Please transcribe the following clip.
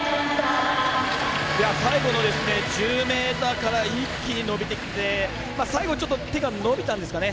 最後の１０ｍから一気に伸びてきて最後、ちょっと手が伸びたんですかね。